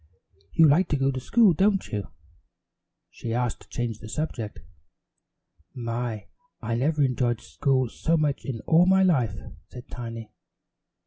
"You like to go to school, don't you?" she asked to change the subject. "My, I never enjoyed school so much in all my life," said Tiny.